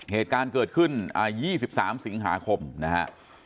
เหตุการณ์เกิดขึ้นอ่ายี่สิบสามสิงหาคมนะฮะ